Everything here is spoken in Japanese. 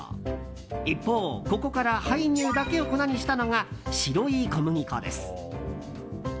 一方、ここから胚乳だけを粉にしたのが白い小麦粉です。